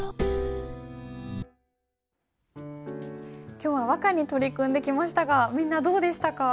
今日は和歌に取り組んできましたがみんなどうでしたか？